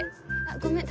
ごめん。